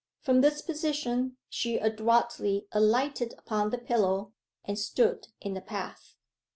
From this position she adroitly alighted upon the pillow, and stood in the path.